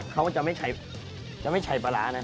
เขาจะไม่ใช้จะไม่ใช้ปลาร้านะ